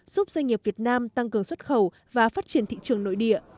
giúp doanh nghiệp việt nam tăng cường xuất khẩu và phát triển thị trường nội địa